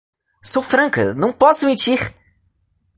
Sou franca, não posso mentir!